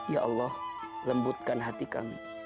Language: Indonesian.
ya allah lembutkan hati kami